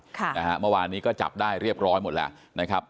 ค่ะนะฮะเมื่อวานนี้ก็จับได้เรียบร้อยหมดแล้วนะครับ